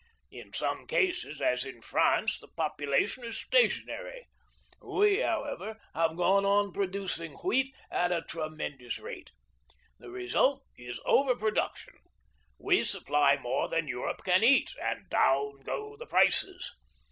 In some cases, as in France, the population is stationary. WE, however, have gone on producing wheat at a tremendous rate. "The result is over production. We supply more than Europe can eat, and down go the prices.